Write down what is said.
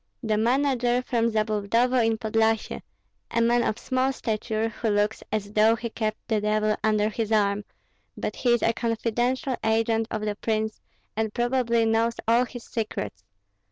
"The manager from Zabludovo in Podlyasye, a man of small stature, who looks as though he kept the devil under his arm; but he is a confidential agent of the prince, and probably knows all his secrets.